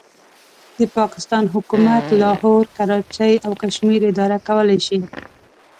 د پاکستان حکومت لاهور، کراچۍ او کشمیر اداره کولای شي.